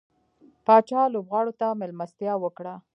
پاچا لوبغاړو ته ملستيا وکړه.